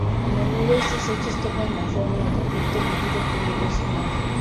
A menudo estos hechos toman la forma de conflicto vivido por un personaje.